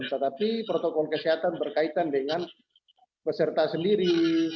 tetapi protokol kesehatan berkaitan dengan peserta sendiri